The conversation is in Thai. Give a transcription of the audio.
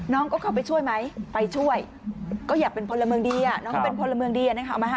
น้องก็เข้าไปช่วยไหมไปช่วยก็อย่าเป็นคนละเมืองดีน้องก็เป็นคนละเมืองดี